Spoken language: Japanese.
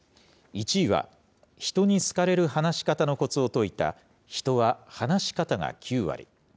１位は、人に好かれる話し方のこつを説いた、人は話し方が９割。